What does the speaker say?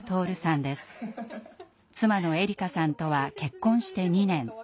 妻のえりかさんとは結婚して２年。